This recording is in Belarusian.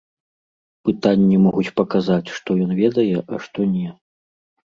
Пытанні могуць паказаць, што ён ведае, а што не.